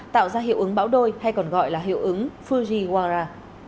tạo ra hiệu ứng bão đôi hay còn gọi là hiệu ứng fujiwara